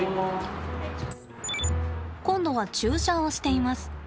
今度は注射をしています。